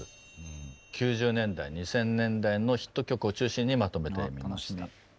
９０年代２０００年代のヒット曲を中心にまとめてみました。